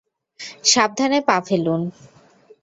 সাবধানে পা ফলুন।